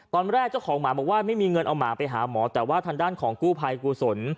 เจ้าของหมาบอกว่าไม่มีเงินเอาหมาไปหาหมอแต่ว่าทางด้านของกู้ภัยกุศล